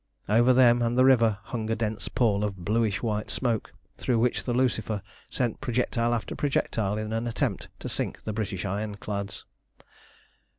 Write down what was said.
Over them and the river hung a dense pall of bluish white smoke, through which the Lucifer sent projectile after projectile in the attempt to sink the British ironclads.